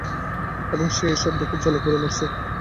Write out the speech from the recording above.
এবং সে এসব দেখে জ্বলে-পুড়ে মরছে।